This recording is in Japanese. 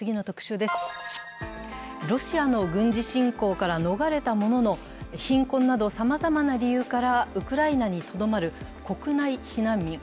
ロシアの軍事侵攻から逃れたものの、貧困などさまざまな理由からウクライナにとどまる国内避難民。